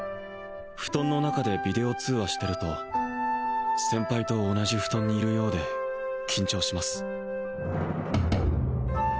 布団の中でビデオ通話してると先輩と同じ布団にいるようで緊張します